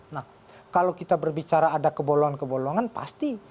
nah kalau kita berbicara ada kebolongan kebolongan pasti